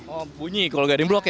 oh bunyi kalau guiding block ya